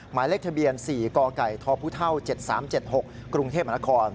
หมายเลขทะเบียนสีกทพ๗๓๗๖กรุงเทพมค